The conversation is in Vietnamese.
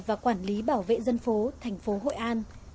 và quản lý bảo vệ dân phố thành phố hội an